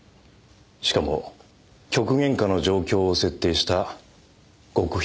しかも極限下の状況を設定した極秘訓練でした。